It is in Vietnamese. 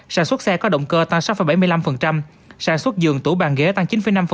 sản xuất xe có động cơ tăng sáu bảy mươi năm sản xuất giường tủ bàn ghế tăng chín năm